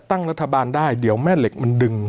ตั้งรัฐบาลได้เดี๋ยวแม่เหล็กมันดึง